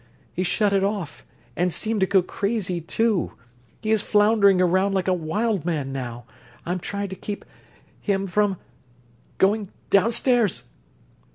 He shut it off ... and seemed to go crazy, too ... he is floundering around like a wild man now.... I'm trying to keep ... him from ... going down stairs."